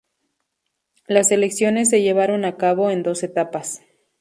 Las elecciones se llevaron a cabo en dos etapas.